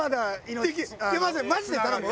山添マジで頼む！